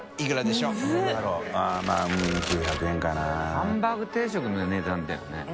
ハンバーグ定食の値段だよね？